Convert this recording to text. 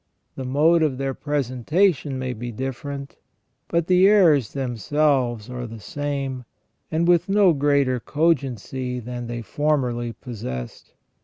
The mode of their presentation may be different, but the errors themselves are the same, and with no greater cogency than they formerly possessed.